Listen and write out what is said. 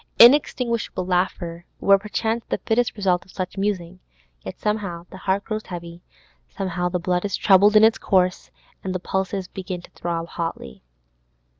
Inextinguishable laughter were perchance the fittest result of such musing; yet somehow the heart grows heavy, somehow the blood is troubled in its course, and the pulses begin to throb hotly.